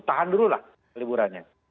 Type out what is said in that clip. kita akan dulu lah liburannya